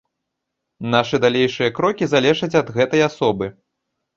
Нашы далейшыя крокі залежаць ад гэтай асобы.